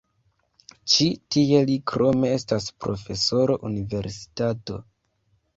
Ĉi tie li krome estas profesoro universitato.